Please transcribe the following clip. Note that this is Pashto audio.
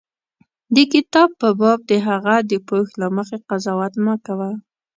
د کتاب په باب د هغه د پوښ له مخې قضاوت مه کوه.